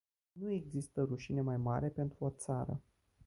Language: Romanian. Nu există rușine mai mare pentru o țară.